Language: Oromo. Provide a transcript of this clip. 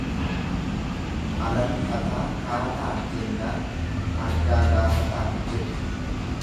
Alanfataa kaataa jennaan argaa gaafataa jedhe.